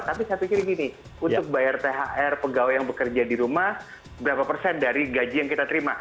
tapi saya pikir gini untuk bayar thr pegawai yang bekerja di rumah berapa persen dari gaji yang kita terima